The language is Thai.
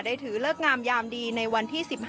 ได้ถือเลิกงามยามดีในวันที่๑๕มีศาล